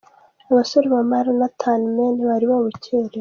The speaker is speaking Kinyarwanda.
Abasore ba Maranatha Men bari babukereye.